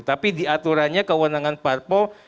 tapi diaturannya kewenangan parpol